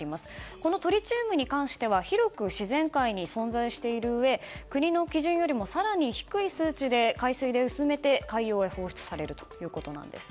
このトリチウムに関しては広く自然界に存在しているうえ国の基準よりも更に低い数値で海水で薄めて海洋へ放出されるということです。